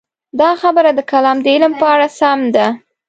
دا خبره د کلام د علم په اړه هم سمه ده.